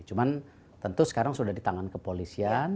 cuman tentu sekarang sudah di tangan kepolisian